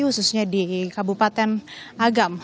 khususnya di kabupaten agam